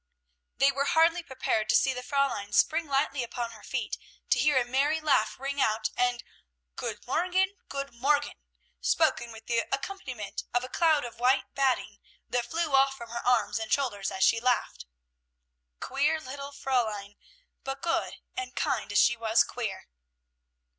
They were hardly prepared to see the Fräulein spring lightly upon her feet, to hear a merry laugh ring out, and "Good morgen! good morgen!" spoken with the accompaniment of a cloud of white batting, that flew off from her arms and shoulders as she laughed. Queer little Fräulein! but good and kind as she was queer!